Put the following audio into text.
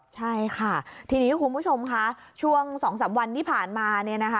ใช่ค่ะทีนี้คุณผู้ชมคะช่วง๒๓วันที่ผ่านมา